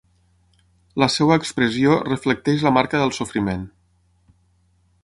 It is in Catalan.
La seva expressió reflecteix la marca del sofriment.